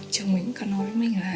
chồng mình còn nói với mình là